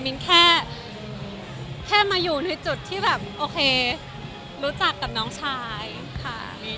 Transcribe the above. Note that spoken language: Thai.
มิ้นแค่มาอยู่ในจุดที่แบบโอเครู้จักกับน้องชายค่ะ